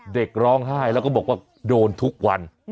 เด็กร้องไห้แล้วก็บอกว่าโดนทุกวัน